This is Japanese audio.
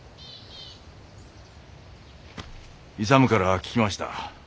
勇から聞きました。